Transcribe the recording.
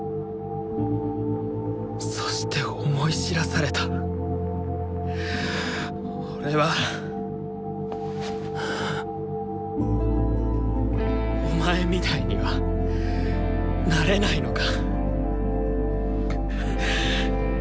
そして思い知らされた俺はお前みたいにはなれないのか。